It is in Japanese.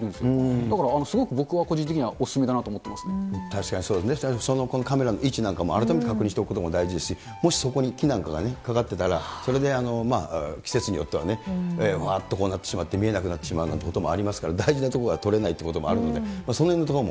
だから個人的にお勧めだと思って確かに、カメラの位置なんかも改めて確認しておくことも大事ですし、もしそこに木なんかかかっていたら、季節によっては、わーっとこうなってしまって、見えなくなってしまうなんてこともありますから大事なところが撮れないっていうところもあるので、そのへんのところも。